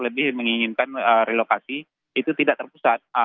lebih menginginkan relokasi itu tidak terpusat